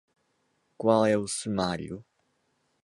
Qual é o sumário?